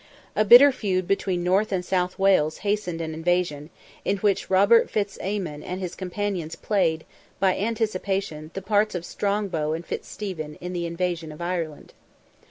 A bitter feud between North and South Wales hastened an invasion, in which Robert Fitz Aymon and his companions played, by anticipation, the parts of Strongbow and Fitz Stephen, in the invasion of Ireland.